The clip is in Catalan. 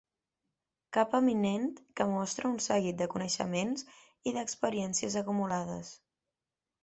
Cap eminent que mostra un seguit de coneixements i d'experiències acumulades.